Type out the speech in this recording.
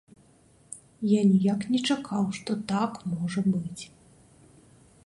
Я ніяк не чакаў, што так можа быць!